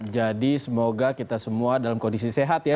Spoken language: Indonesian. jadi semoga kita semua dalam kondisi sehat ya